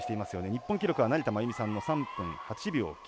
日本記録は成田真由美さんの３分８秒９６。